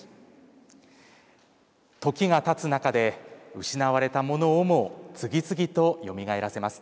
時がたつ中で失われたものをも次々とよみがえらせます。